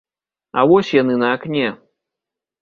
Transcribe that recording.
А вось яны, на акне.